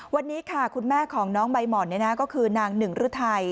วันนี้ค่ะคุณแม่ของน้องใบหม่อนก็คือนางหนึ่งฤทัย